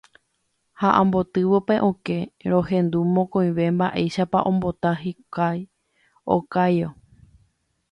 Ha ambotývo pe okẽ rohendu mokõive mba'éichapa ombota hikuái okáguio.